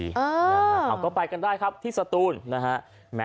เอาก็ไปกันได้ครับที่สตูนนะฮะ